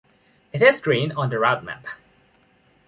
It is green on the route map.